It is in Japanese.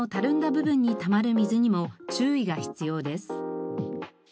部分にたまる水にも注意が必要です。